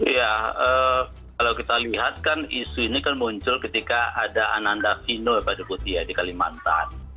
ya kalau kita lihat kan isu ini muncul ketika ada ananda vino pada putih di kalimantan